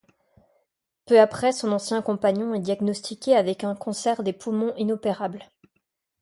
Peu après son ancien compagnon est diagnostiqué avec un cancer des poumons inopérable.